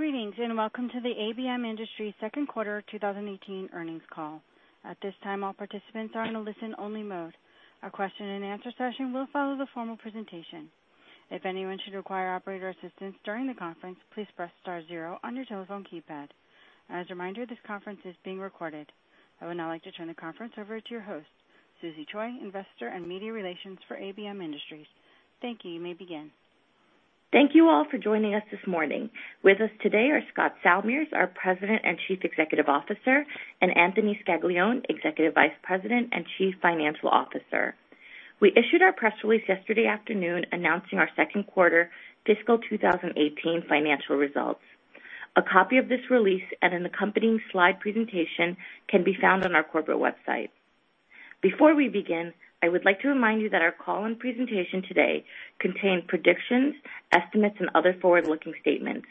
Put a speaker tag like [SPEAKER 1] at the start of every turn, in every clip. [SPEAKER 1] Greetings, welcome to the ABM Industries second quarter 2018 earnings call. At this time, all participants are in a listen-only mode. A question and answer session will follow the formal presentation. If anyone should require operator assistance during the conference, please press star zero on your telephone keypad. As a reminder, this conference is being recorded. I would now like to turn the conference over to your host, Susie Choi, Investor and Media Relations for ABM Industries. Thank you. You may begin.
[SPEAKER 2] Thank you all for joining us this morning. With us today are Scott Salmirs, our President and Chief Executive Officer, and Anthony Scaglione, Executive Vice President and Chief Financial Officer. We issued our press release yesterday afternoon announcing our second quarter fiscal 2018 financial results. A copy of this release and an accompanying slide presentation can be found on our corporate website. Before we begin, I would like to remind you that our call and presentation today contain predictions, estimates, and other forward-looking statements.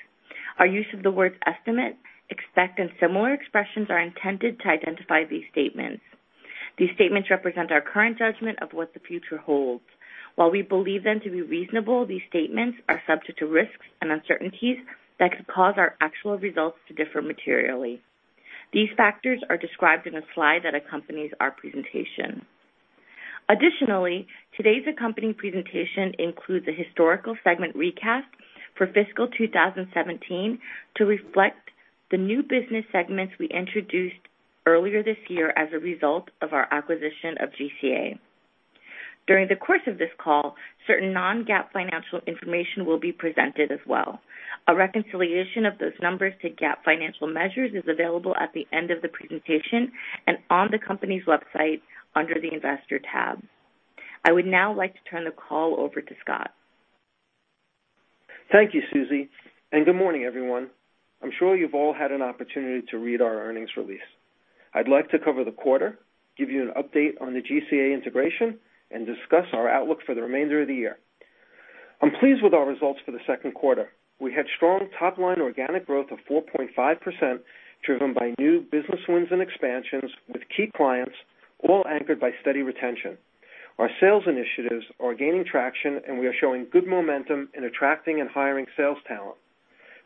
[SPEAKER 2] Our use of the words estimate, expect, and similar expressions are intended to identify these statements. These statements represent our current judgment of what the future holds. While we believe them to be reasonable, these statements are subject to risks and uncertainties that could cause our actual results to differ materially. These factors are described in a slide that accompanies our presentation. Additionally, today's accompanying presentation includes a historical segment recast for fiscal 2017 to reflect the new business segments we introduced earlier this year as a result of our acquisition of GCA. During the course of this call, certain non-GAAP financial information will be presented as well. A reconciliation of those numbers to GAAP financial measures is available at the end of the presentation and on the company's website under the Investor tab. I would now like to turn the call over to Scott.
[SPEAKER 3] Thank you, Susie, good morning, everyone. I'm sure you've all had an opportunity to read our earnings release. I'd like to cover the quarter, give you an update on the GCA integration, and discuss our outlook for the remainder of the year. I'm pleased with our results for the second quarter. We had strong top-line organic growth of 4.5%, driven by new business wins and expansions with key clients, all anchored by steady retention. Our sales initiatives are gaining traction, and we are showing good momentum in attracting and hiring sales talent.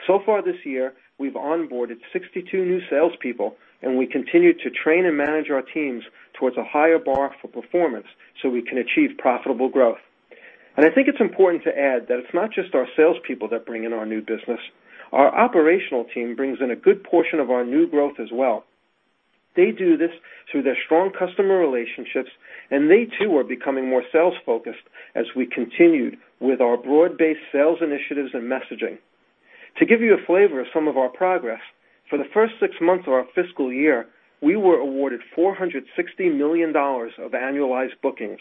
[SPEAKER 3] So far this year, we've onboarded 62 new salespeople, and we continue to train and manage our teams towards a higher bar for performance so we can achieve profitable growth. I think it's important to add that it's not just our salespeople that bring in our new business. Our operational team brings in a good portion of our new growth as well. They do this through their strong customer relationships. They too are becoming more sales-focused as we continued with our broad-based sales initiatives and messaging. To give you a flavor of some of our progress, for the first six months of our fiscal year, we were awarded $460 million of annualized bookings.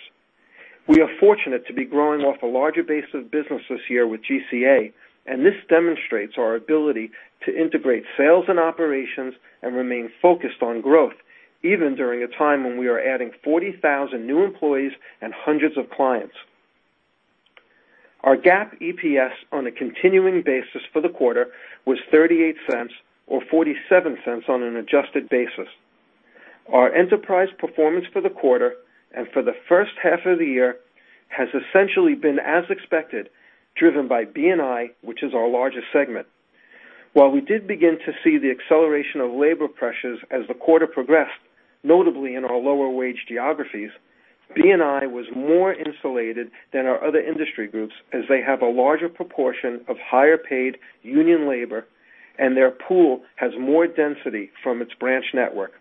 [SPEAKER 3] We are fortunate to be growing off a larger base of business this year with GCA. This demonstrates our ability to integrate sales and operations and remain focused on growth, even during a time when we are adding 40,000 new employees and hundreds of clients. Our GAAP EPS on a continuing basis for the quarter was $0.38, or $0.47 on an adjusted basis. Our enterprise performance for the quarter and for the first half of the year has essentially been as expected, driven by B&I, which is our largest segment. While we did begin to see the acceleration of labor pressures as the quarter progressed, notably in our lower wage geographies, B&I was more insulated than our other industry groups, as they have a larger proportion of higher-paid union labor. Their pool has more density from its branch network.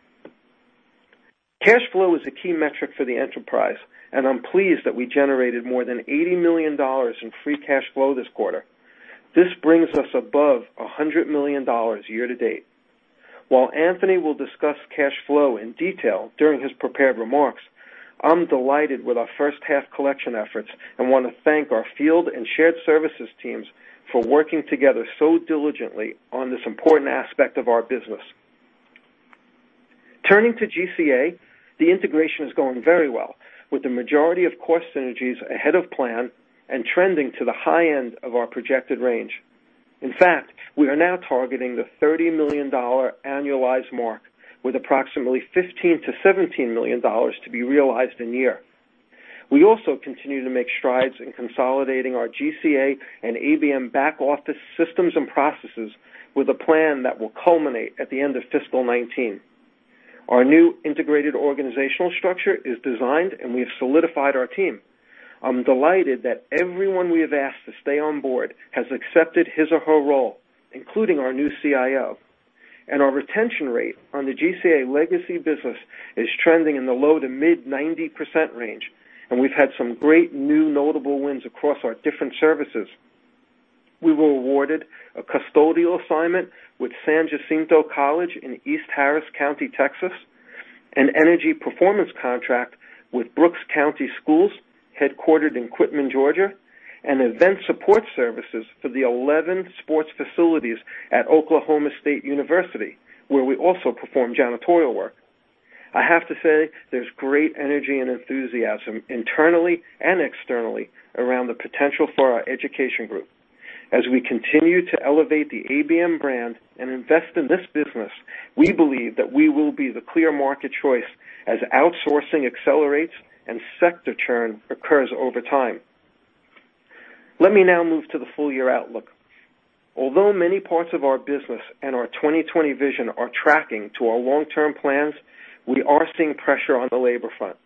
[SPEAKER 3] Cash flow is a key metric for the enterprise. I'm pleased that we generated more than $80 million in free cash flow this quarter. This brings us above $100 million year to date. While Anthony will discuss cash flow in detail during his prepared remarks, I'm delighted with our first half collection efforts and want to thank our field and shared services teams for working together so diligently on this important aspect of our business. Turning to GCA, the integration is going very well, with the majority of cost synergies ahead of plan and trending to the high end of our projected range. In fact, we are now targeting the $30 million annualized mark, with approximately $15 million-$17 million to be realized in year. We also continue to make strides in consolidating our GCA and ABM back-office systems and processes with a plan that will culminate at the end of fiscal 2019. Our new integrated organizational structure is designed. We've solidified our team. I'm delighted that everyone we have asked to stay on board has accepted his or her role, including our new CIO. Our retention rate on the GCA legacy business is trending in the low to mid 90% range. We've had some great new notable wins across our different services. We were awarded a custodial assignment with San Jacinto College in East Harris County, Texas, an energy performance contract with Brooks County Schools, headquartered in Quitman, Georgia, and event support services for the 11 sports facilities at Oklahoma State University, where we also perform janitorial work. I have to say, there's great energy and enthusiasm internally and externally around the potential for our education group. As we continue to elevate the ABM brand and invest in this business, we believe that we will be the clear market choice as outsourcing accelerates and sector churn occurs over time. Let me now move to the full-year outlook. Although many parts of our business and our 2020 Vision are tracking to our long-term plans, we are seeing pressure on the labor front.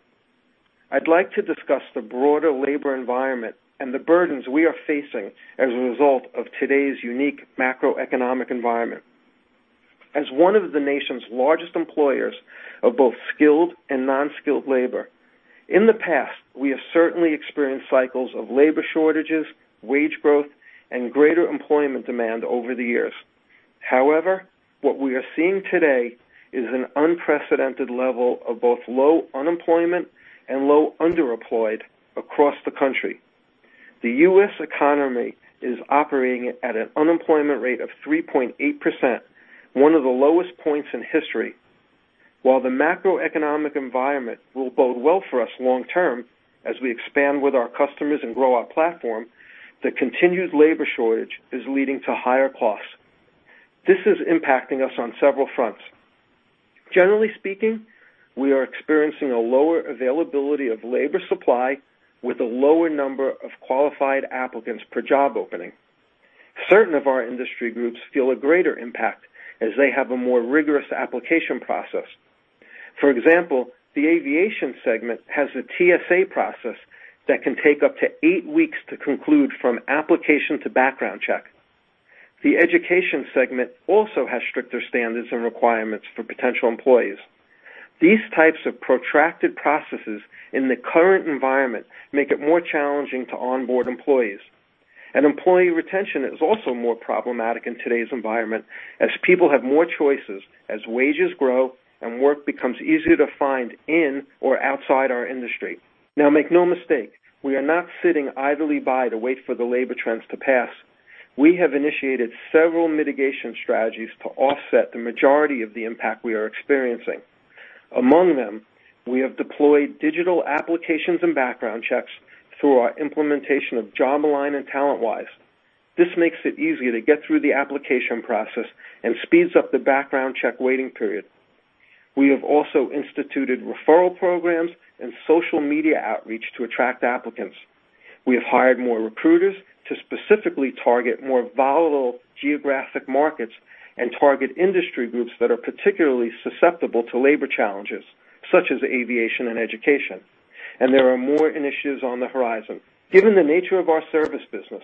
[SPEAKER 3] I'd like to discuss the broader labor environment and the burdens we are facing as a result of today's unique macroeconomic environment. As one of the nation's largest employers of both skilled and non-skilled labor, in the past, we have certainly experienced cycles of labor shortages, wage growth, and greater employment demand over the years. However, what we are seeing today is an unprecedented level of both low unemployment and low underemployed across the country. The U.S. economy is operating at an unemployment rate of 3.8%, one of the lowest points in history. While the macroeconomic environment will bode well for us long term, as we expand with our customers and grow our platform, the continued labor shortage is leading to higher costs. This is impacting us on several fronts. Generally speaking, we are experiencing a lower availability of labor supply with a lower number of qualified applicants per job opening. Certain of our industry groups feel a greater impact as they have a more rigorous application process. For example, the aviation segment has a TSA process that can take up to eight weeks to conclude from application to background check. The education segment also has stricter standards and requirements for potential employees. These types of protracted processes in the current environment make it more challenging to onboard employees. Employee retention is also more problematic in today's environment as people have more choices as wages grow and work becomes easier to find in or outside our industry. Make no mistake, we are not sitting idly by to wait for the labor trends to pass. We have initiated several mitigation strategies to offset the majority of the impact we are experiencing. Among them, we have deployed digital applications and background checks through our implementation of JobAlign and TalentWise. This makes it easier to get through the application process and speeds up the background check waiting period. We have also instituted referral programs and social media outreach to attract applicants. We have hired more recruiters to specifically target more volatile geographic markets and target industry groups that are particularly susceptible to labor challenges, such as aviation and education. There are more initiatives on the horizon. Given the nature of our service business,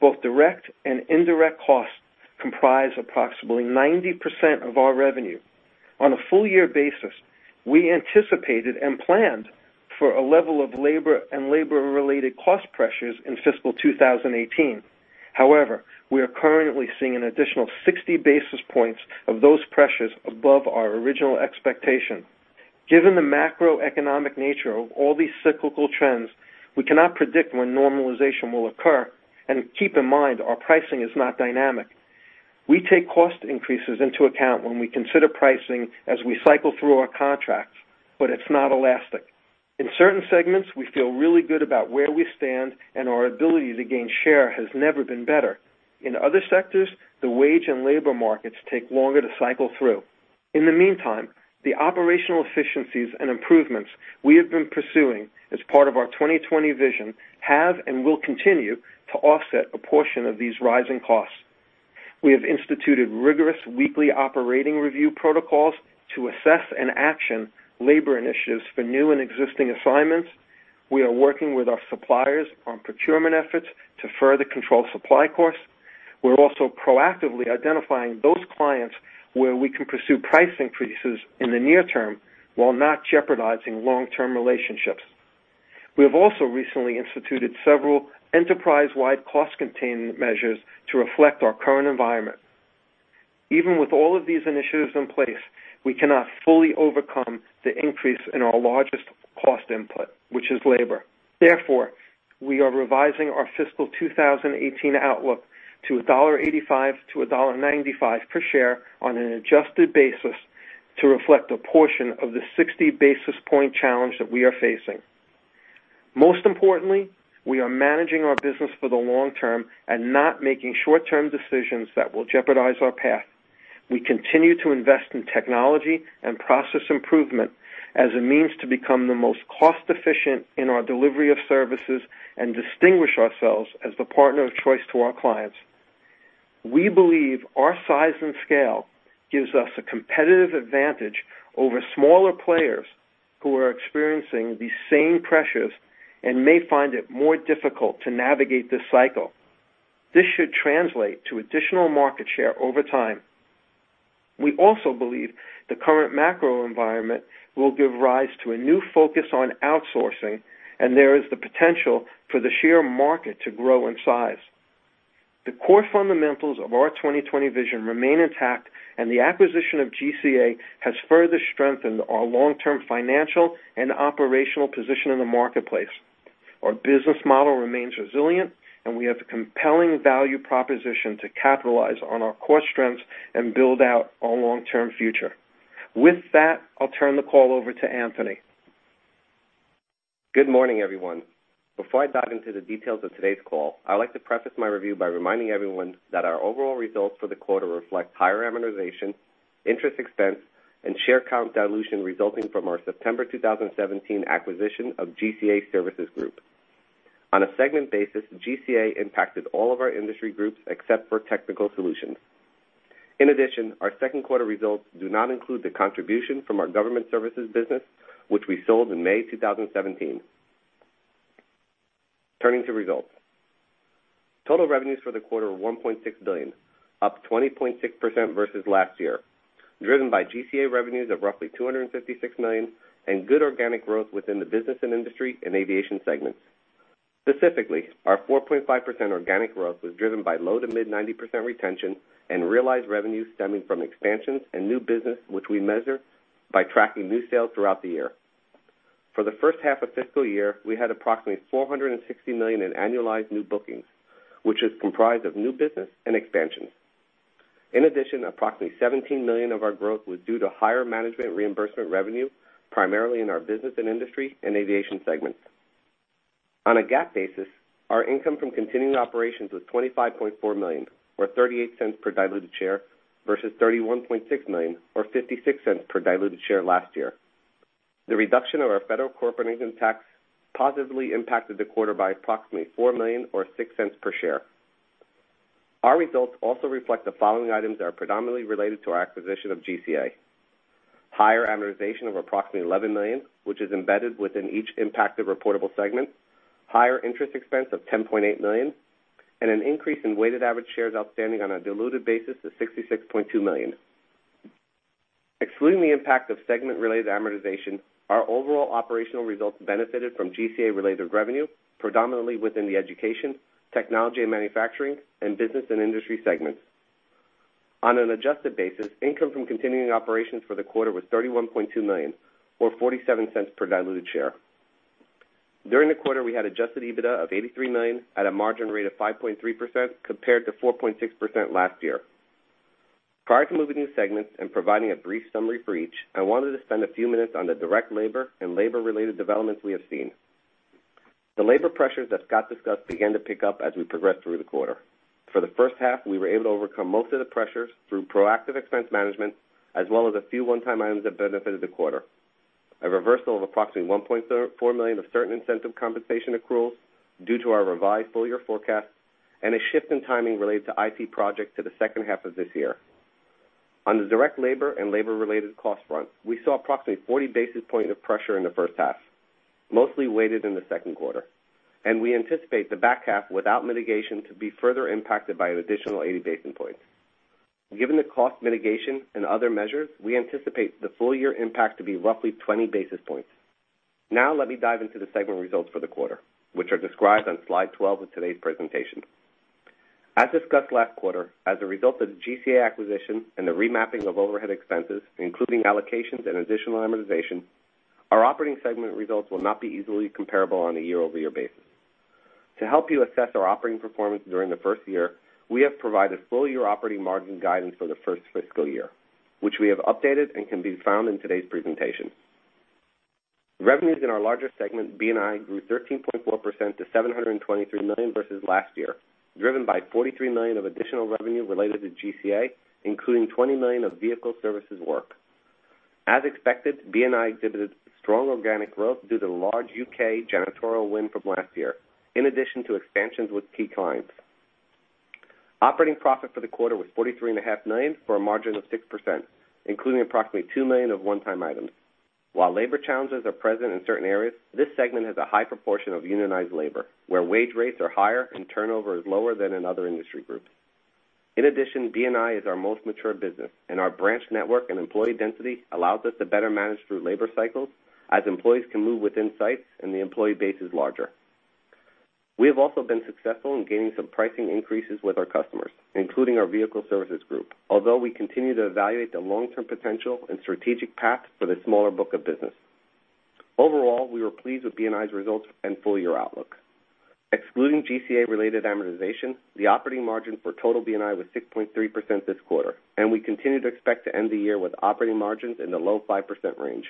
[SPEAKER 3] both direct and indirect costs comprise approximately 90% of our revenue. On a full-year basis, we anticipated and planned for a level of labor and labor-related cost pressures in fiscal 2018. However, we are currently seeing an additional 60 basis points of those pressures above our original expectation. Given the macroeconomic nature of all these cyclical trends, we cannot predict when normalization will occur. Keep in mind, our pricing is not dynamic. We take cost increases into account when we consider pricing as we cycle through our contracts, but it's not elastic. In certain segments, we feel really good about where we stand, and our ability to gain share has never been better. In other sectors, the wage and labor markets take longer to cycle through. In the meantime, the operational efficiencies and improvements we have been pursuing as part of our 2020 Vision have and will continue to offset a portion of these rising costs. We have instituted rigorous weekly operating review protocols to assess and action labor initiatives for new and existing assignments. We are working with our suppliers on procurement efforts to further control supply costs. We're also proactively identifying those clients where we can pursue price increases in the near term while not jeopardizing long-term relationships. We have also recently instituted several enterprise-wide cost containment measures to reflect our current environment. Even with all of these initiatives in place, we cannot fully overcome the increase in our largest cost input, which is labor. Therefore, we are revising our fiscal 2018 outlook to $1.85-$1.95 per share on an adjusted basis to reflect a portion of the 60 basis point challenge that we are facing. Most importantly, we are managing our business for the long term and not making short-term decisions that will jeopardize our path. We continue to invest in technology and process improvement as a means to become the most cost-efficient in our delivery of services and distinguish ourselves as the partner of choice to our clients. We believe our size and scale gives us a competitive advantage over smaller players who are experiencing the same pressures and may find it more difficult to navigate this cycle. This should translate to additional market share over time. We also believe the current macro environment will give rise to a new focus on outsourcing, and there is the potential for the sheer market to grow in size. The core fundamentals of our 2020 Vision remain intact, and the acquisition of GCA has further strengthened our long-term financial and operational position in the marketplace. Our business model remains resilient, and we have a compelling value proposition to capitalize on our core strengths and build out our long-term future. With that, I'll turn the call over to Anthony.
[SPEAKER 4] Good morning, everyone. Before I dive into the details of today's call, I'd like to preface my review by reminding everyone that our overall results for the quarter reflect higher amortization, interest expense, and share count dilution resulting from our September 2017 acquisition of GCA Services Group. On a segment basis, GCA impacted all of our industry groups except for Technical Solutions. In addition, our second quarter results do not include the contribution from our government services business, which we sold in May 2017. Turning to results. Total revenues for the quarter were $1.6 billion, up 20.6% versus last year, driven by GCA revenues of roughly $256 million and good organic growth within the business and industry and aviation segments. Specifically, our 4.5% organic growth was driven by low to mid-90% retention and realized revenues stemming from expansions and new business, which we measure by tracking new sales throughout the year. For the first half of fiscal year, we had approximately $460 million in annualized new bookings, which is comprised of new business and expansions. In addition, approximately $17 million of our growth was due to higher management reimbursement revenue, primarily in our Business and Industry and aviation segments. On a GAAP basis, our income from continuing operations was $25.4 million or $0.38 per diluted share versus $31.6 million or $0.56 per diluted share last year. The reduction of our federal corporate income tax positively impacted the quarter by approximately $4 million or $0.06 per share. Our results also reflect the following items that are predominantly related to our acquisition of GCA. Higher amortization of approximately $11 million, which is embedded within each impacted reportable segment, higher interest expense of $10.8 million, and an increase in weighted average shares outstanding on a diluted basis to 66.2 million. Excluding the impact of segment-related amortization, our overall operational results benefited from GCA-related revenue, predominantly within the education, technology and manufacturing, and Business and Industry segments. On an adjusted basis, income from continuing operations for the quarter was $31.2 million or $0.47 per diluted share. During the quarter, we had adjusted EBITDA of $83 million at a margin rate of 5.3% compared to 4.6% last year. Prior to moving to segments and providing a brief summary for each, I wanted to spend a few minutes on the direct labor and labor-related developments we have seen. The labor pressures that Scott discussed began to pick up as we progressed through the quarter. For the first half, we were able to overcome most of the pressures through proactive expense management as well as a few one-time items that benefited the quarter. A reversal of approximately $1.4 million of certain incentive compensation accruals due to our revised full-year forecast and a shift in timing related to IT projects to the second half of this year. On the direct labor and labor-related cost front, we saw approximately 40 basis points of pressure in the first half, mostly weighted in the second quarter, and we anticipate the back half without mitigation to be further impacted by an additional 80 basis points. Given the cost mitigation and other measures, we anticipate the full-year impact to be roughly 20 basis points. Now let me dive into the segment results for the quarter, which are described on slide 12 of today's presentation. As discussed last quarter, as a result of the GCA acquisition and the remapping of overhead expenses, including allocations and additional amortization, our operating segment results will not be easily comparable on a year-over-year basis. To help you assess our operating performance during the first year, we have provided full-year operating margin guidance for the first fiscal year, which we have updated and can be found in today's presentation. Revenues in our largest segment, B&I, grew 13.4% to $723 million versus last year, driven by $43 million of additional revenue related to GCA, including $20 million of vehicle services work. As expected, B&I exhibited strong organic growth due to the large U.K. janitorial win from last year, in addition to expansions with key clients. Operating profit for the quarter was $43.5 million for a margin of 6%, including approximately $2 million of one-time items. While labor challenges are present in certain areas, this segment has a high proportion of unionized labor, where wage rates are higher and turnover is lower than in other industry groups. In addition, B&I is our most mature business, and our branch network and employee density allows us to better manage through labor cycles as employees can move within sites, and the employee base is larger. We have also been successful in gaining some pricing increases with our customers, including our vehicle services group. Although we continue to evaluate the long-term potential and strategic path for the smaller book of business. Overall, we were pleased with B&I's results and full-year outlook. Excluding GCA-related amortization, the operating margin for total B&I was 6.3% this quarter, and we continue to expect to end the year with operating margins in the low 5% range.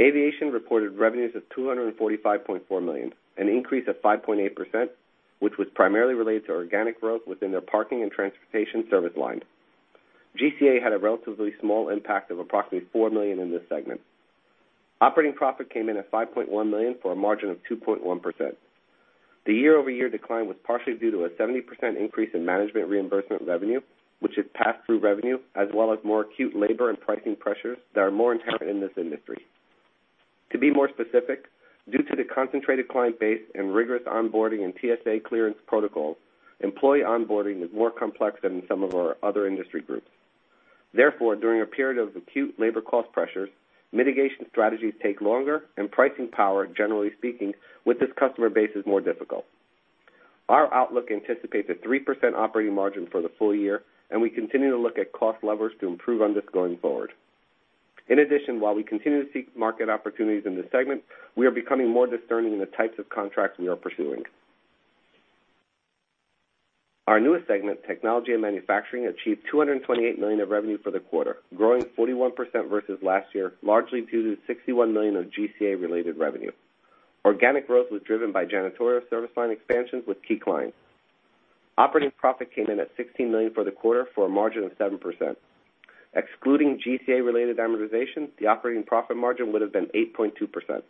[SPEAKER 4] Aviation reported revenues of $245.4 million, an increase of 5.8%, which was primarily related to organic growth within their parking and transportation service line. GCA had a relatively small impact of approximately $4 million in this segment. Operating profit came in at $5.1 million for a margin of 2.1%. The year-over-year decline was partially due to a 70% increase in management reimbursement revenue, which is pass-through revenue, as well as more acute labor and pricing pressures that are more inherent in this industry. To be more specific, due to the concentrated client base and rigorous onboarding and TSA clearance protocols, employee onboarding is more complex than in some of our other industry groups. Therefore, during a period of acute labor cost pressures, mitigation strategies take longer, and pricing power, generally speaking, with this customer base is more difficult. Our outlook anticipates a 3% operating margin for the full year, and we continue to look at cost levers to improve on this going forward. In addition, while we continue to seek market opportunities in this segment, we are becoming more discerning in the types of contracts we are pursuing. Our newest segment, technology and manufacturing, achieved $228 million of revenue for the quarter, growing 41% versus last year, largely due to $61 million of GCA-related revenue. Organic growth was driven by janitorial service line expansions with key clients. Operating profit came in at $16 million for the quarter for a margin of 7%. Excluding GCA-related amortization, the operating profit margin would have been 8.2%.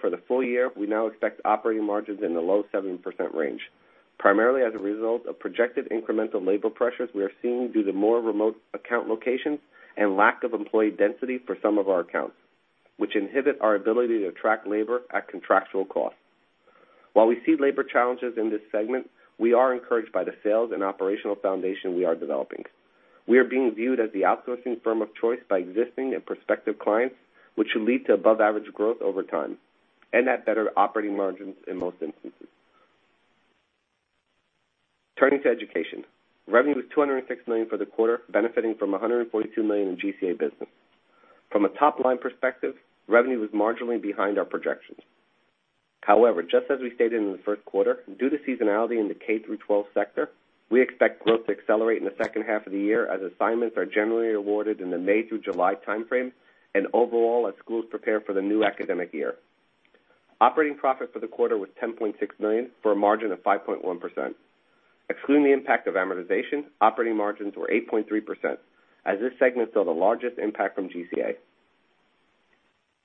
[SPEAKER 4] For the full year, we now expect operating margins in the low 7% range, primarily as a result of projected incremental labor pressures we are seeing due to more remote account locations and lack of employee density for some of our accounts, which inhibit our ability to attract labor at contractual costs. While we see labor challenges in this segment, we are encouraged by the sales and operational foundation we are developing. We are being viewed as the outsourcing firm of choice by existing and prospective clients, which should lead to above-average growth over time and at better operating margins in most instances. Turning to education. Revenue was $206 million for the quarter, benefiting from $142 million in GCA business. From a top-line perspective, revenue was marginally behind our projections. However, just as we stated in the first quarter, due to seasonality in the K through 12 sector, we expect growth to accelerate in the second half of the year as assignments are generally awarded in the May through July timeframe, and overall, as schools prepare for the new academic year. Operating profit for the quarter was $10.6 million for a margin of 5.1%. Excluding the impact of amortization, operating margins were 8.3% as this segment saw the largest impact from GCA.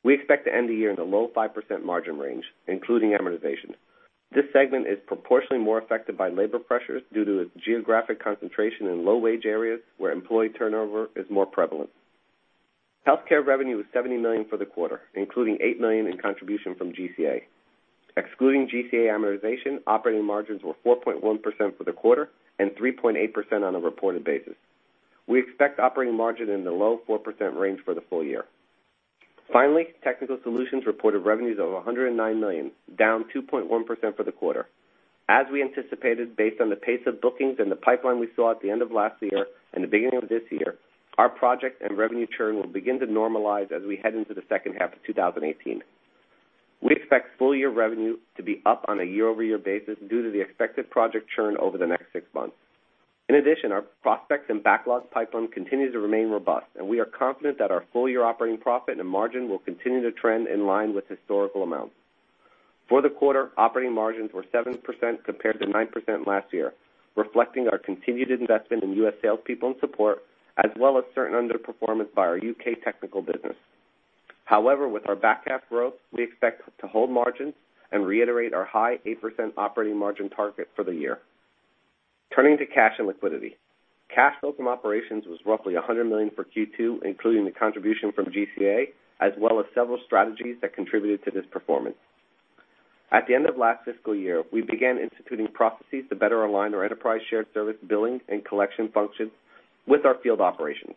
[SPEAKER 4] We expect to end the year in the low 5% margin range, including amortization. This segment is proportionally more affected by labor pressures due to its geographic concentration in low-wage areas where employee turnover is more prevalent. Healthcare revenue was $70 million for the quarter, including $8 million in contribution from GCA. Excluding GCA amortization, operating margins were 4.1% for the quarter and 3.8% on a reported basis. We expect operating margin in the low 4% range for the full year. Finally, Technical Solutions reported revenues of $109 million, down 2.1% for the quarter. As we anticipated, based on the pace of bookings and the pipeline we saw at the end of last year and the beginning of this year, our project and revenue churn will begin to normalize as we head into the second half of 2018. We expect full-year revenue to be up on a year-over-year basis due to the expected project churn over the next six months. In addition, our prospects and backlogs pipeline continues to remain robust, and we are confident that our full-year operating profit and margin will continue to trend in line with historical amounts. For the quarter, operating margins were 7% compared to 9% last year, reflecting our continued investment in U.S. salespeople and support, as well as certain underperformance by our U.K. technical business. However, with our back half growth, we expect to hold margins and reiterate our high 8% operating margin target for the year. Turning to cash and liquidity. Cash flow from operations was roughly $100 million for Q2, including the contribution from GCA, as well as several strategies that contributed to this performance. At the end of last fiscal year, we began instituting processes to better align our enterprise shared service billing and collection functions with our field operations.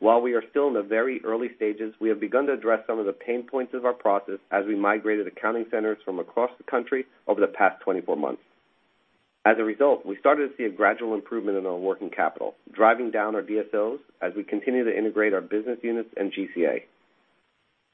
[SPEAKER 4] While we are still in the very early stages, we have begun to address some of the pain points of our process as we migrated accounting centers from across the country over the past 24 months. As a result, we started to see a gradual improvement in our working capital, driving down our DSOs as we continue to integrate our business units and GCA.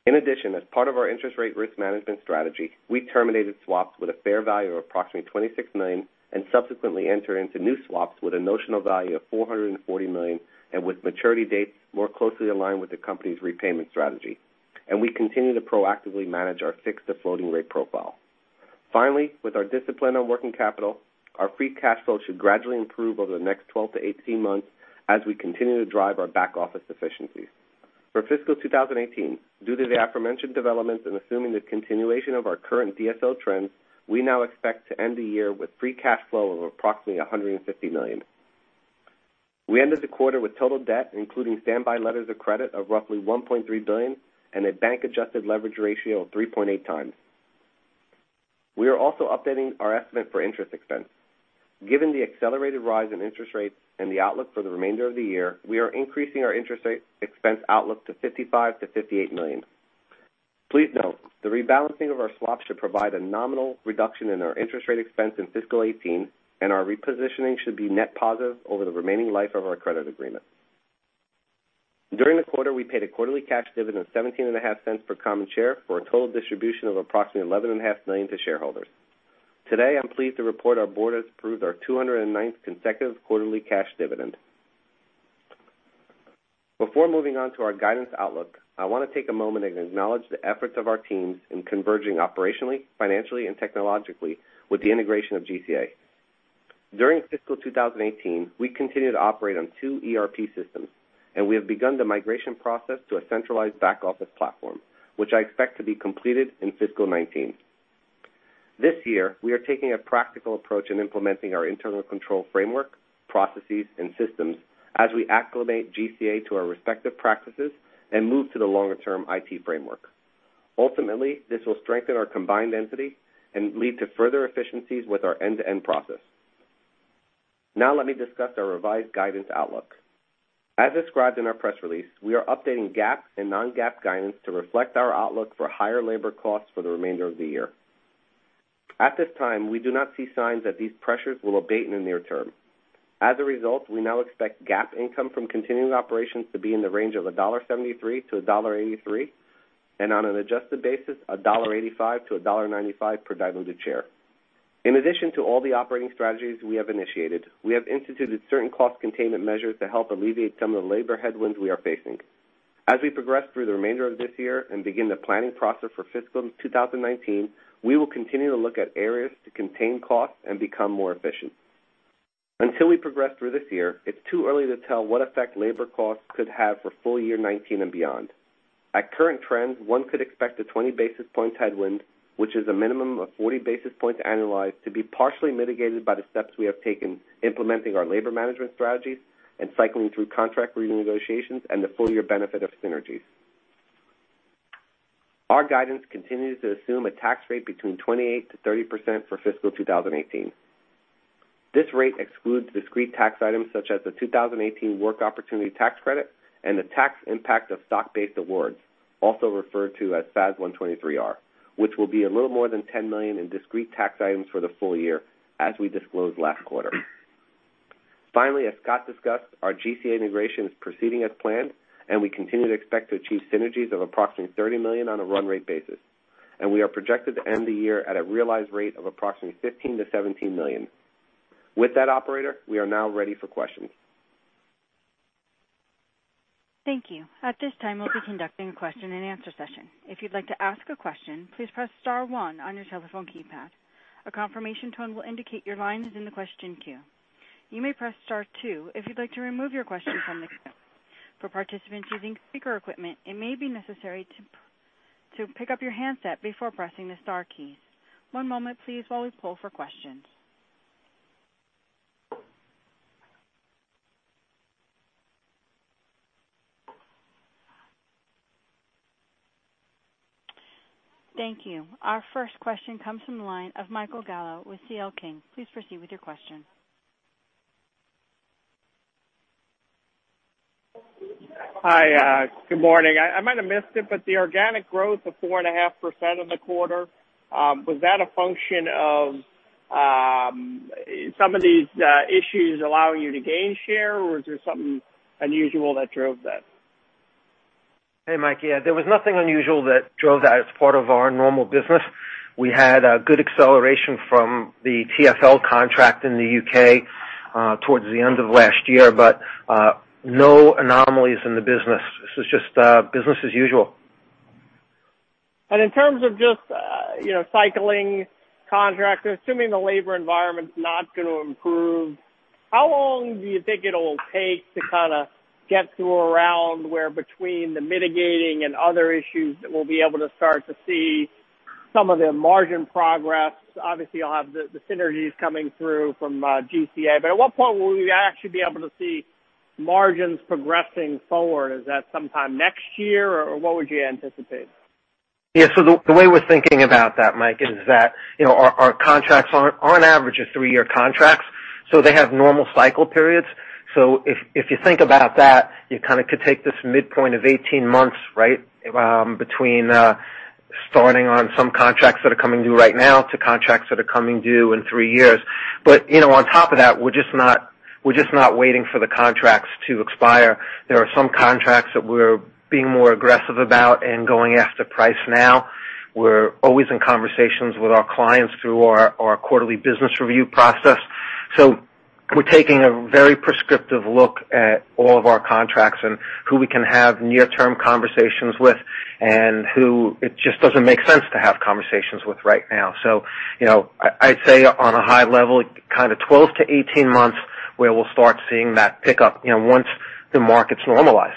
[SPEAKER 4] In addition, as part of our interest rate risk management strategy, we terminated swaps with a fair value of approximately $26 million and subsequently entered into new swaps with a notional value of $440 million and with maturity dates more closely aligned with the company's repayment strategy, and we continue to proactively manage our fixed to floating rate profile. Finally, with our discipline on working capital, our free cash flow should gradually improve over the next 12 to 18 months as we continue to drive our back-office efficiencies. For fiscal 2018, due to the aforementioned developments and assuming the continuation of our current DSO trends, we now expect to end the year with free cash flow of approximately $150 million. We ended the quarter with total debt, including standby letters of credit of roughly $1.3 billion and a bank-adjusted leverage ratio of 3.8 times. We are also updating our estimate for interest expense. Given the accelerated rise in interest rates and the outlook for the remainder of the year, we are increasing our interest expense outlook to $55 million-$58 million. Please note, the rebalancing of our swaps should provide a nominal reduction in our interest rate expense in fiscal 2018, and our repositioning should be net positive over the remaining life of our credit agreement. During the quarter, we paid a quarterly cash dividend of $0.175 per common share for a total distribution of approximately $11.5 million to shareholders. Today, I'm pleased to report our board has approved our 209th consecutive quarterly cash dividend. Before moving on to our guidance outlook, I want to take a moment and acknowledge the efforts of our teams in converging operationally, financially, and technologically with the integration of GCA. During fiscal 2018, we continued to operate on two ERP systems, and we have begun the migration process to a centralized back-office platform, which I expect to be completed in fiscal 2019. This year, we are taking a practical approach in implementing our internal control framework, processes, and systems as we acclimate GCA to our respective practices and move to the longer-term IT framework. Ultimately, this will strengthen our combined entity and lead to further efficiencies with our end-to-end process. Now let me discuss our revised guidance outlook. As described in our press release, we are updating GAAP and non-GAAP guidance to reflect our outlook for higher labor costs for the remainder of the year. At this time, we do not see signs that these pressures will abate in the near term. As a result, we now expect GAAP income from continuing operations to be in the range of $1.73-$1.83, and on an adjusted basis, $1.85-$1.95 per diluted share. In addition to all the operating strategies we have initiated, we have instituted certain cost containment measures to help alleviate some of the labor headwinds we are facing. As we progress through the remainder of this year and begin the planning process for fiscal 2019, we will continue to look at areas to contain costs and become more efficient. Until we progress through this year, it's too early to tell what effect labor costs could have for full year 2019 and beyond. At current trends, one could expect a 20 basis point headwind, which is a minimum of 40 basis points annualized to be partially mitigated by the steps we have taken implementing our labor management strategies and cycling through contract renegotiations and the full year benefit of synergies. Our guidance continues to assume a tax rate between 28%-30% for fiscal 2018. This rate excludes discrete tax items such as the 2018 Work Opportunity Tax Credit and the tax impact of stock-based awards, also referred to as FAS 123R, which will be a little more than $10 million in discrete tax items for the full year as we disclosed last quarter. Finally, as Scott discussed, our GCA integration is proceeding as planned, and we continue to expect to achieve synergies of approximately $30 million on a run rate basis. We are projected to end the year at a realized rate of approximately $15 million-$17 million. With that, Operator, we are now ready for questions.
[SPEAKER 1] Thank you. At this time, we'll be conducting a question and answer session. If you'd like to ask a question, please press star one on your telephone keypad. A confirmation tone will indicate your line is in the question queue. You may press star two if you'd like to remove your question from the queue. For participants using speaker equipment, it may be necessary to pick up your handset before pressing the star keys. One moment please while we poll for questions. Thank you. Our first question comes from the line of Michael Gallo with C.L. King. Please proceed with your question.
[SPEAKER 5] Hi. Good morning. I might have missed it, but the organic growth of 4.5% in the quarter, was that a function of some of these issues allowing you to gain share, or was there something unusual that drove that?
[SPEAKER 4] Hey, Mike. Yeah, there was nothing unusual that drove that. It's part of our normal business. We had a good acceleration from the TFL contract in the U.K. towards the end of last year, no anomalies in the business. This is just business as usual.
[SPEAKER 5] In terms of just cycling contracts, assuming the labor environment's not going to improve, how long do you think it'll take to kind of get to around where between the mitigating and other issues that we'll be able to start to see some of the margin progress? Obviously, you'll have the synergies coming through from GCA. At what point will we actually be able to see margins progressing forward? Is that sometime next year or what would you anticipate?
[SPEAKER 4] Yeah. The way we're thinking about that, Mike, is that our contracts are on average three-year contracts, they have normal cycle periods. If you think about that, you kind of could take this midpoint of 18 months, between starting on some contracts that are coming due right now to contracts that are coming due in three years. On top of that, we're just not waiting for the contracts to expire. There are some contracts that we're being more aggressive about and going after price now. We're always in conversations with our clients through our quarterly business review process. We're taking a very prescriptive look at all of our contracts and who we can have near term conversations with, and who it just doesn't make sense to have conversations with right now. I'd say on a high level, kind of 12 to 18 months where we'll start seeing that pick up, once the markets normalize.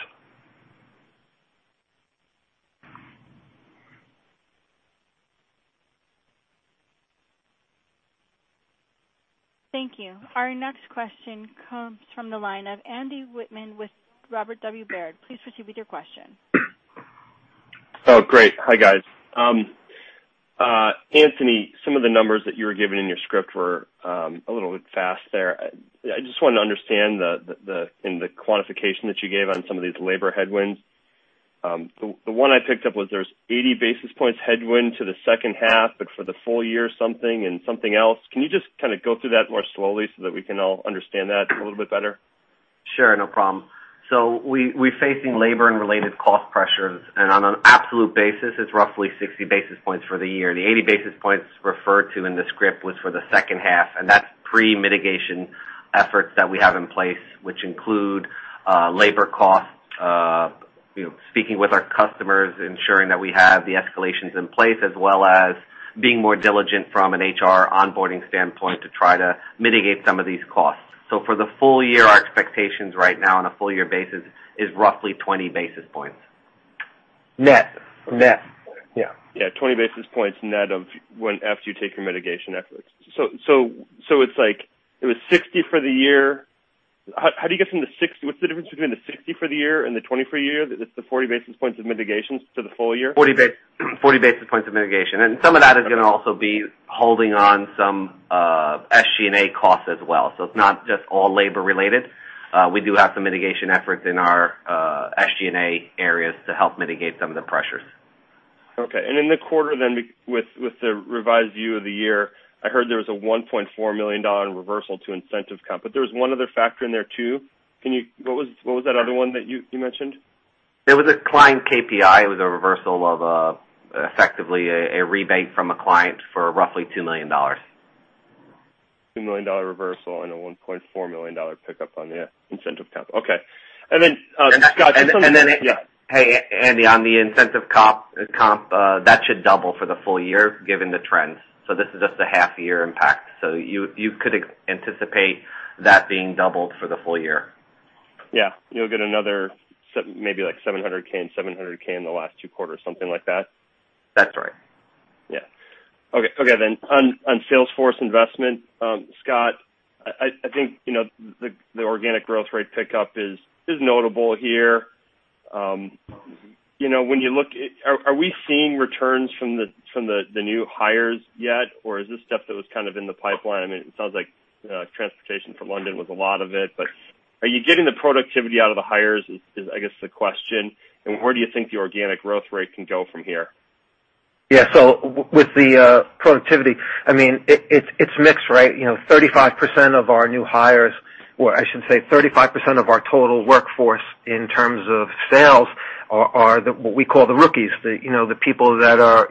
[SPEAKER 1] Thank you. Our next question comes from the line of Andy Wittmann with Robert W. Baird. Please proceed with your question.
[SPEAKER 6] Oh, great. Hi, guys. Anthony, some of the numbers that you were giving in your script were a little bit fast there. I just wanted to understand in the quantification that you gave on some of these labor headwinds. The one I picked up was there's 80 basis points headwind to the second half, but for the full year something and something else. Can you just kind of go through that more slowly so that we can all understand that a little bit better?
[SPEAKER 4] Sure. No problem. We're facing labor and related cost pressures, on an absolute basis, it's roughly 60 basis points for the year. The 80 basis points referred to in the script was for the second half, that's pre-mitigation efforts that we have in place, which include labor costs, speaking with our customers, ensuring that we have the escalations in place, as well as being more diligent from an HR onboarding standpoint to try to mitigate some of these costs. For the full year, our expectations right now on a full year basis is roughly 20 basis points.
[SPEAKER 6] Net.
[SPEAKER 4] Net. Yeah.
[SPEAKER 6] Yeah. 20 basis points net of when after you take your mitigation efforts. It's like it was 60 for the year. What's the difference between the 60 for the year and the 20 for the year? It's the 40 basis points of mitigation to the full year?
[SPEAKER 4] 40 basis points of mitigation. Some of that is going to also be holding on some SG&A costs as well. It's not just all labor related. We do have some mitigation efforts in our SG&A areas to help mitigate some of the pressures.
[SPEAKER 6] Okay. In the quarter then, with the revised view of the year, I heard there was a $1.4 million reversal to incentive comp, but there was one other factor in there too. What was that other one that you mentioned?
[SPEAKER 4] It was a client KPI. It was a reversal of effectively a rebate from a client for roughly $2 million.
[SPEAKER 6] $2 million reversal and a $1.4 million pickup on the incentive comp. Okay. Then, Scott-
[SPEAKER 4] And then-
[SPEAKER 6] Yeah.
[SPEAKER 4] Hey, Andy, on the incentive comp, that should double for the full year given the trends. This is just a half-year impact. You could anticipate that being doubled for the full year.
[SPEAKER 6] Yeah. You'll get another maybe like $700K and $700K in the last two quarters, something like that?
[SPEAKER 4] That's right.
[SPEAKER 6] Yeah. Okay, on Salesforce investment, Scott, I think the organic growth rate pickup is notable here. Are we seeing returns from the new hires yet? Or is this stuff that was kind of in the pipeline? It sounds like transportation from London was a lot of it, but are you getting the productivity out of the hires is, I guess, the question. Where do you think the organic growth rate can go from here?
[SPEAKER 3] Yeah. With the productivity, it's mixed, right? 35% of our new hires, or I should say 35% of our total workforce in terms of sales are what we call the rookies. The people that are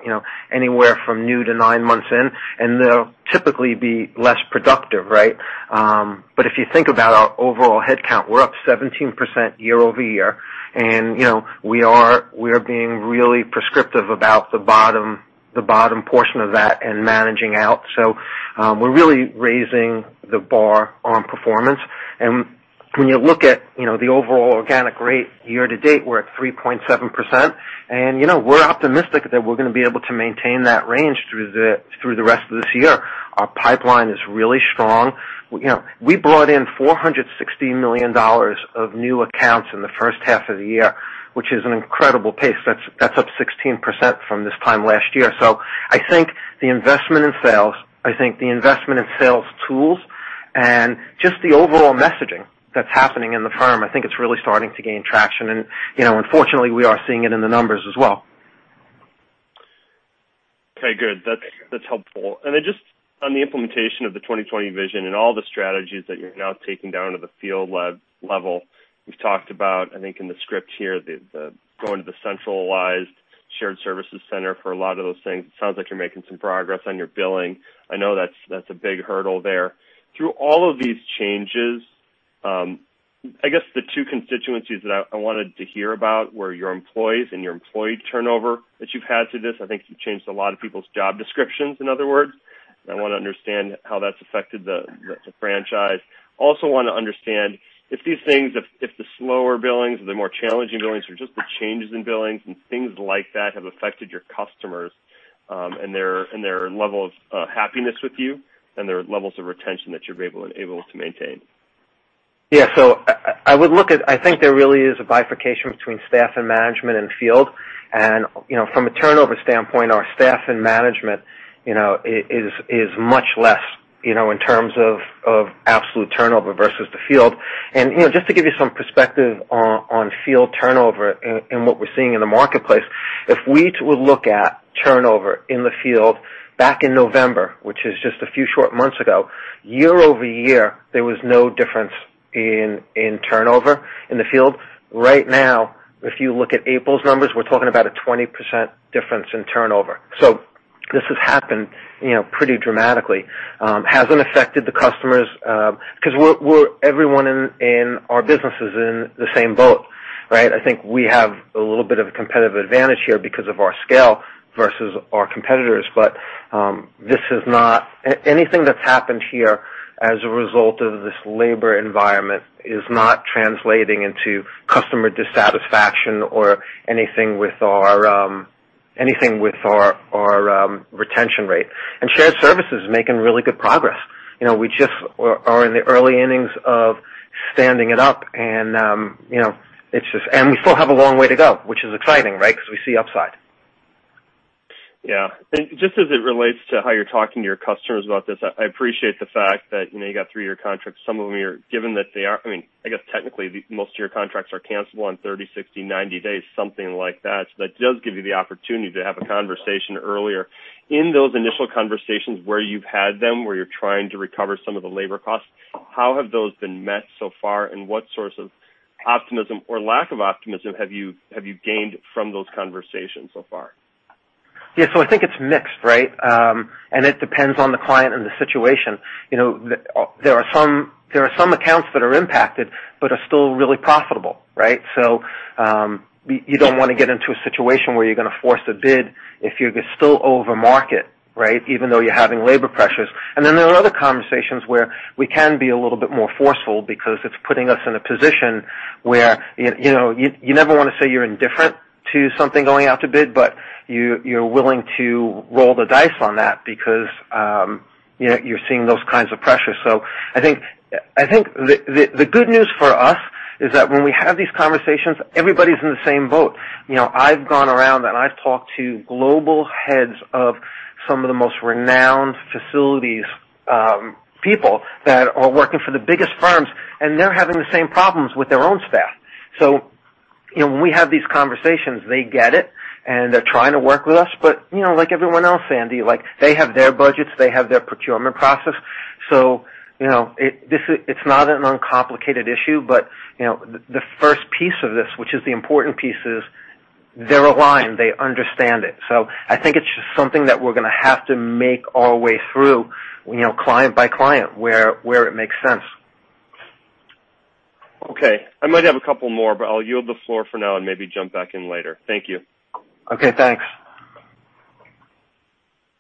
[SPEAKER 3] anywhere from new to nine months in, and they'll typically be less productive, right? If you think about our overall headcount, we're up 17% year-over-year, and we are being really prescriptive about the bottom portion of that and managing out. We're really raising the bar on performance. When you look at the overall organic rate year to date, we're at 3.7%. We're optimistic that we're going to be able to maintain that range through the rest of this year. Our pipeline is really strong. We brought in $460 million of new accounts in the first half of the year, which is an incredible pace. That's up 16% from this time last year. I think the investment in sales tools and just the overall messaging that's happening in the firm, I think it's really starting to gain traction. Fortunately, we are seeing it in the numbers as well.
[SPEAKER 6] Okay, good. That's helpful. Just on the implementation of the 2020 Vision and all the strategies that you're now taking down to the field level, you've talked about, I think, in the script here, going to the centralized shared services center for a lot of those things. It sounds like you're making some progress on your billing. I know that's a big hurdle there. Through all of these changes, I guess the two constituencies that I wanted to hear about were your employees and your employee turnover that you've had through this. I think you've changed a lot of people's job descriptions, in other words. I want to understand how that's affected the franchise. Also want to understand if these things, if the slower billings or the more challenging billings or just the changes in billings and things like that have affected your customers, and their level of happiness with you and their levels of retention that you're able to maintain.
[SPEAKER 3] Yeah. I think there really is a bifurcation between staff and management and field. From a turnover standpoint, our staff and management is much less, in terms of absolute turnover versus the field. Just to give you some perspective on field turnover and what we're seeing in the marketplace. If we were to look at turnover in the field back in November, which is just a few short months ago, year-over-year, there was no difference in turnover in the field. Right now, if you look at April's numbers, we're talking about a 20% difference in turnover. This has happened pretty dramatically. Hasn't affected the customers. Because everyone in our business is in the same boat, right? I think we have a little bit of a competitive advantage here because of our scale versus our competitors. Anything that's happened here as a result of this labor environment is not translating into customer dissatisfaction or anything with our retention rate. Shared services is making really good progress. We just are in the early innings of standing it up, and we still have a long way to go, which is exciting, right? Because we see upside.
[SPEAKER 6] Yeah. Just as it relates to how you're talking to your customers about this, I appreciate the fact that you got three-year contracts. Some of them, I guess technically, most of your contracts are cancelable in 30, 60, 90 days, something like that. That does give you the opportunity to have a conversation earlier. In those initial conversations where you've had them, where you're trying to recover some of the labor costs, how have those been met so far, and what source of optimism or lack of optimism have you gained from those conversations so far?
[SPEAKER 3] Yeah. I think it's mixed, right? It depends on the client and the situation. There are some accounts that are impacted but are still really profitable, right? You don't want to get into a situation where you're going to force a bid if you're still over market, right? Even though you're having labor pressures. Then there are other conversations where we can be a little bit more forceful because it's putting us in a position where you never want to say you're indifferent to something going out to bid, but you're willing to roll the dice on that because you're seeing those kinds of pressures. I think the good news for us is that when we have these conversations, everybody's in the same boat. I've gone around and I've talked to global heads of Some of the most renowned facilities, people that are working for the biggest firms, and they're having the same problems with their own staff. When we have these conversations, they get it, and they're trying to work with us. Like everyone else, Andy, they have their budgets. They have their procurement process. It's not an uncomplicated issue, but the first piece of this, which is the important piece, is they're aligned. They understand it. I think it's just something that we're going to have to make our way through, client by client, where it makes sense.
[SPEAKER 6] Okay. I might have a couple more, but I'll yield the floor for now and maybe jump back in later. Thank you.
[SPEAKER 3] Okay, thanks.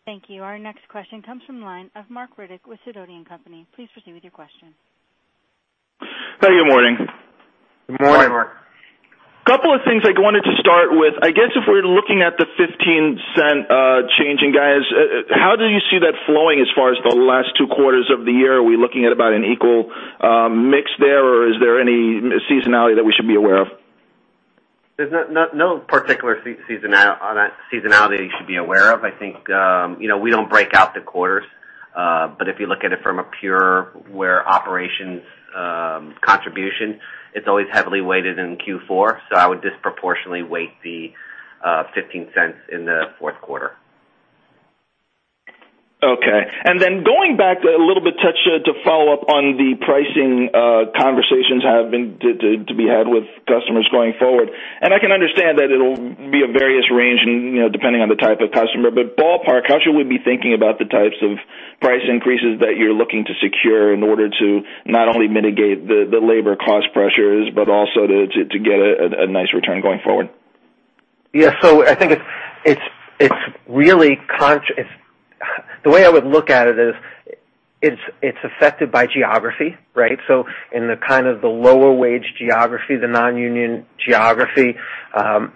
[SPEAKER 1] Thank you. Our next question comes from the line of Marc Riddick with Sidoti & Company. Please proceed with your question.
[SPEAKER 7] Hey, good morning.
[SPEAKER 3] Good morning, Marc.
[SPEAKER 7] Couple of things I wanted to start with. I guess if we're looking at the $0.15 changing, guys, how do you see that flowing as far as the last two quarters of the year? Are we looking at about an equal mix there, or is there any seasonality that we should be aware of?
[SPEAKER 4] There's no particular seasonality you should be aware of. I think, we don't break out the quarters. If you look at it from a pure operations contribution, it's always heavily weighted in Q4, so I would disproportionately weight the $0.15 in the fourth quarter.
[SPEAKER 7] Okay. Going back a little bit, Scott, to follow up on the pricing conversations to be had with customers going forward, and I can understand that it'll be a various range depending on the type of customer. Ballpark, how should we be thinking about the types of price increases that you're looking to secure in order to not only mitigate the labor cost pressures, but also to get a nice return going forward?
[SPEAKER 3] Yeah. I think the way I would look at it is it's affected by geography, right? In the kind of the lower wage geography, the non-union geography,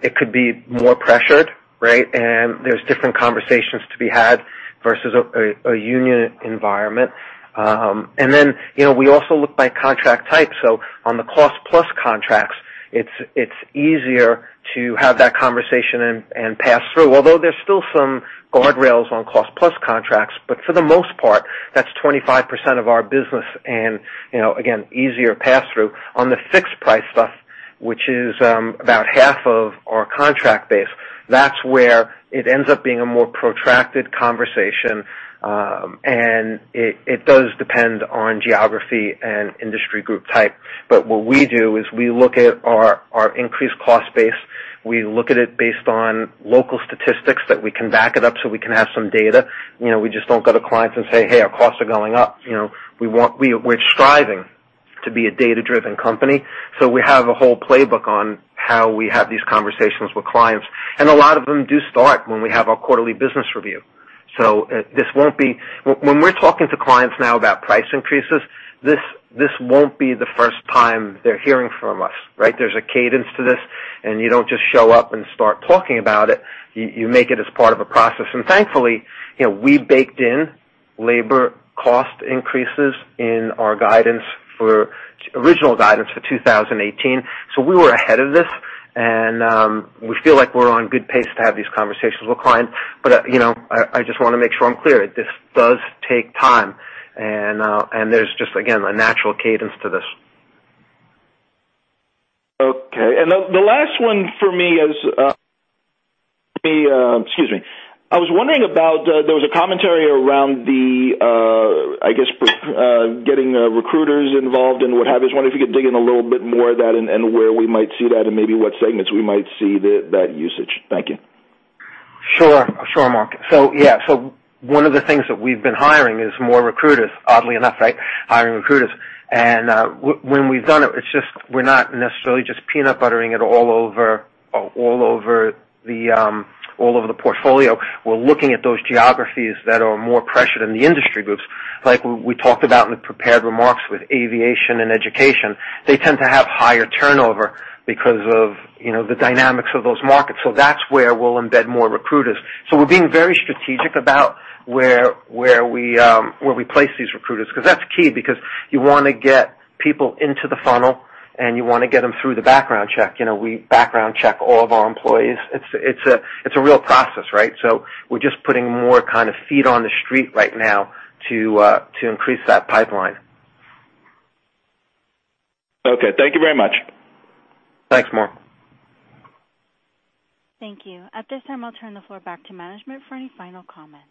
[SPEAKER 3] it could be more pressured, right? There's different conversations to be had versus a union environment. Then, we also look by contract type. On the cost-plus contracts, it's easier to have that conversation and pass through. Although there's still some guardrails on cost-plus contracts. For the most part, that's 25% of our business and, again, easier pass-through. On the fixed price stuff, which is about half of our contract base. That's where it ends up being a more protracted conversation. It does depend on geography and industry group type. What we do is we look at our increased cost base. We look at it based on local statistics that we can back it up so we can have some data. We just don't go to clients and say, "Hey, our costs are going up." We're striving to be a data-driven company, so we have a whole playbook on how we have these conversations with clients, and a lot of them do start when we have our quarterly business review. When we're talking to clients now about price increases, this won't be the first time they're hearing from us, right? There's a cadence to this, and you don't just show up and start talking about it. You make it as part of a process. Thankfully, we baked in labor cost increases in our original guidance for 2018. We were ahead of this, and we feel like we're on good pace to have these conversations with clients. I just want to make sure I'm clear. This does take time, and there's just, again, a natural cadence to this.
[SPEAKER 7] Okay. The last one for me is. Excuse me. I was wondering about, there was a commentary around the, I guess, getting recruiters involved and what have you. I was wondering if you could dig in a little bit more of that and where we might see that and maybe what segments we might see that usage. Thank you.
[SPEAKER 3] Sure, Marc. Yeah. One of the things that we've been hiring is more recruiters. Oddly enough, right? Hiring recruiters. When we've done it, we're not necessarily just peanut buttering it all over the portfolio. We're looking at those geographies that are more pressured in the industry groups. Like we talked about in the prepared remarks with aviation and education. They tend to have higher turnover because of the dynamics of those markets. That's where we'll embed more recruiters. We're being very strategic about where we place these recruiters, because that's key. You want to get people into the funnel, and you want to get them through the background check. We background check all of our employees. It's a real process, right? We're just putting more kind of feet on the street right now to increase that pipeline.
[SPEAKER 7] Okay. Thank you very much.
[SPEAKER 3] Thanks, Marc.
[SPEAKER 1] Thank you. At this time, I'll turn the floor back to management for any final comments.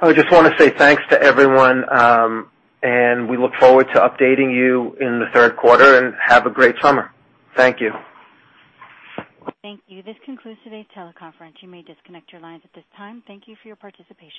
[SPEAKER 3] I just want to say thanks to everyone, and we look forward to updating you in the third quarter, and have a great summer. Thank you.
[SPEAKER 1] Thank you. This concludes today's teleconference. You may disconnect your lines at this time. Thank you for your participation.